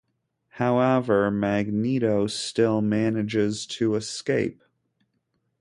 However, Magneto still manages to escape.